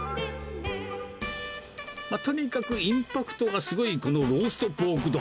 とにかくインパクトがすごいこのローストポーク丼。